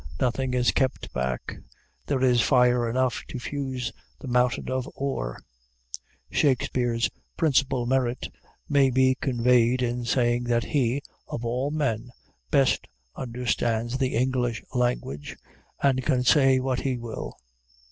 Nothing is kept back. There is fire enough to fuse the mountain of ore. Shakspeare's principal merit may be conveyed in saying that he, of all men, best understands the English language, and can say what he will.